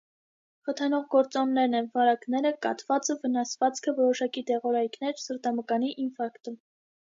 Խթանող գործոններն են՝ վարակները, կաթվածը, վնասվածքը, որոշակի դեղորայքներ, սրտամկանի ինֆարկտը։